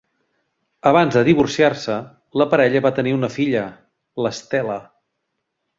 Abans de divorciar-se, la parella va tenir una filla, l'Stella.